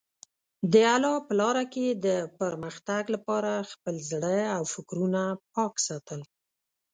د الله په لاره کې د پرمختګ لپاره خپل زړه او فکرونه پاک ساتل.